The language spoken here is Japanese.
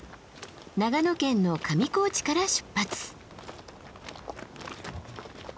長野県の上高地から出発。